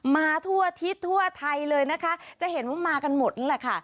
มาทั่วอาทิตย์ทั่วไทยเลยนะคะจะเห็นว่ามากันหมดนั่นแหละค่ะ